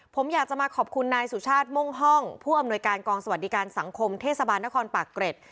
ผมอยากจะมาขอบคุณนายสุชาติม่วงห้องผู้อำนวยการกองสวัสดิการสังคมเทศบาลนครปากเกร็ด